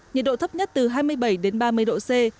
nhiệt độ thấp nhất từ hai mươi bảy đến ba mươi độ c